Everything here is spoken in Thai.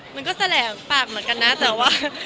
มันก็แสลมปากเหมือนกันนะแต่ว่า